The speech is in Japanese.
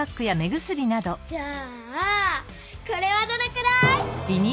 じゃあこれはどれくらい？